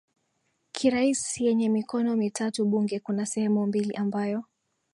kiraisi yenye mikono mitatu Bunge kuna sehemu mbili ambayo